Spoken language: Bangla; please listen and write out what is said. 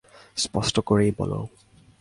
স্পষ্ট করেই বলো।